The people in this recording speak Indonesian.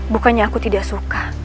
bukannya aku tidak suka